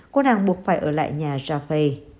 cô đang buộc phải ở lại nhà zhao fei